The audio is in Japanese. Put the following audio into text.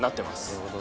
なるほど。